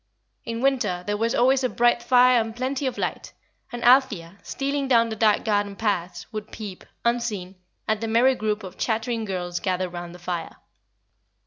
In winter there was always a bright fire and plenty of light, and Althea, stealing down the dark garden paths, would peep, unseen, at the merry group of chattering girls gathered round the fire.